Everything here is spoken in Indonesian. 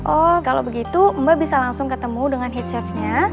oh kalau begitu mbak bisa langsung ketemu dengan hitssertnya